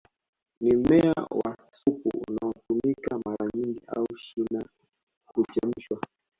Ni mmea wa supu unaotumika mara nyingi au shina huchemshwa